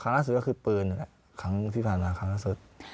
ล่าสุดก็คือปืนครั้งที่ผ่านมาครั้งล่าสุด